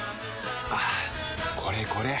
はぁこれこれ！